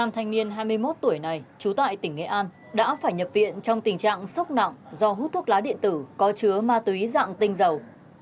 năm thanh niên hai mươi một tuổi này trú tại tỉnh nghệ an đã phải nhập viện trong tình trạng sốc nặng do hút thuốc lá điện tử có chứa ma túy dạng tinh dầu